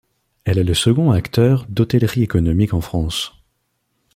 Elle est le second acteur d'hôtellerie économique en France.